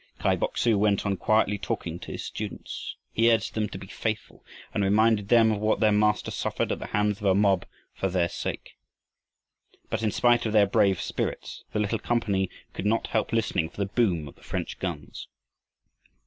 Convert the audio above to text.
Kai Bok su went on quietly talking to his students. He urged them to be faithful and reminded them of what their Master suffered at the hands of a mob for their sake. But, in spite of their brave spirits, the little company could not help listening for the boom of the French guns.